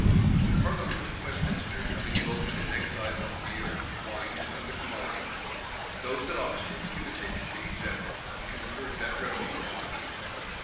The parliament at Westminster having voted an excise on beer, wine, and other commodities, those at Oxford imitated the example, and conferred that revenue on the king.